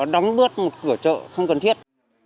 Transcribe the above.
đóng bước một cửa chợ không cần thiết